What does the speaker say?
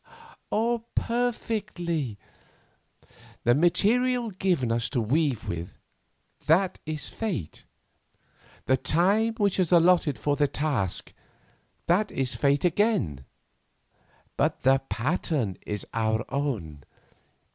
"Perfectly; the material given us to weave with, that is Fate; the time which is allotted for the task, that is Fate again; but the pattern is our own.